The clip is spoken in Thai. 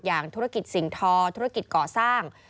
อย่างธุรกิจสิงธอธุรกิจเกาะสร้าง